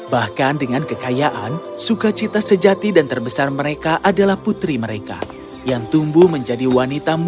bahkan dengan kekayaan sukacita sejati dan terbesar mereka adalah putri mereka yang tumbuh menjadi wanita muda